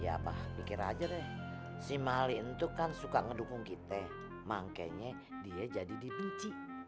ya apa pikir aja deh si mali itu kan suka ngedukung kita mangkenya dia jadi dibenci